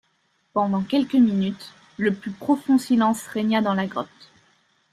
Pendant quelques minutes, le plus profond silence régna dans la grotte.